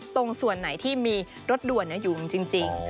ตรงส่วนไหนที่มีรถด่วนอยู่จริง